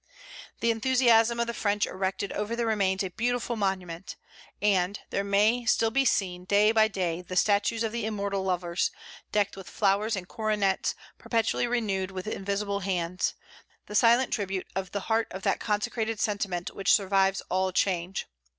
The enthusiasm of the French erected over the remains a beautiful monument; and "there still may be seen, day by day, the statues of the immortal lovers, decked with flowers and coronets, perpetually renewed with invisible hands, the silent tribute of the heart of that consecrated sentiment which survives all change.